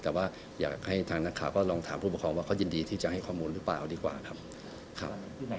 แต่ว่าอยากให้ทางนักข่าวก็ลองถามผู้ปกครองว่าเขายินดีที่จะให้ข้อมูลหรือเปล่าดีกว่าครับ